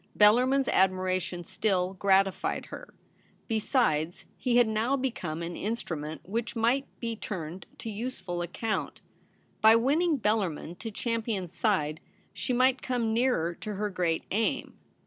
Bellarmin's admiration still gratified her. Besides, he had now become an instrument which might be turned to useful account. By winning Bellarmin to Champion's side she might come nearer to her great aim.